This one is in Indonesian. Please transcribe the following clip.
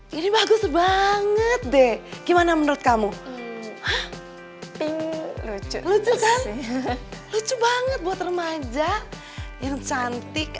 hai ini bagus banget deh gimana menurut kamu pink lucu lucu banget buat remaja yang cantik